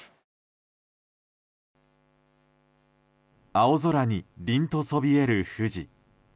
青空に凛とそびえる富士。